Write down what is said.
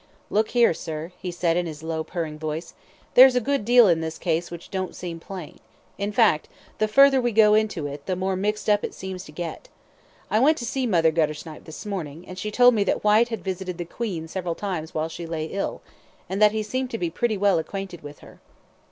"Look here, sir," he said, in his low, purring voice, "there's a good deal in this case which don't seem plain in fact, the further we go into it, the more mixed up it seems to get. I went to see Mother Guttersnipe this morning, and she told me that Whyte had visited the 'Queen' several times while she lay ill, and that he seemed to be pretty well acquainted with her."